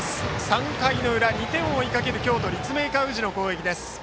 ３回の裏、２点を追いかける京都・立命館宇治の攻撃です。